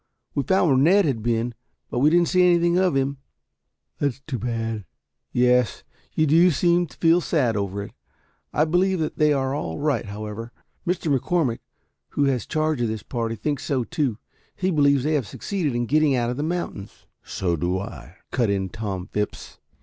We found where Ned had been, but we didn't see anything of him." "That's too bad." "Yes, you do seem to feel sad over it. I believe they are all right, however. Mr. McCormick, who has charge of this party, thinks so too. He believes they have succeeded in getting out of the mountains." "So do I," cut in Tom Phipps.